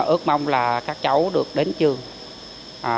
ước mong là các cháu được đến trường